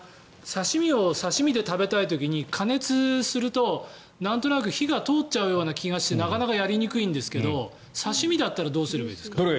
刺し身を刺し身で食べたい時に加熱するとなんとなく火が通っちゃうような気がしてなかなか焼きにくいんだけど刺し身だったらどうすればいい？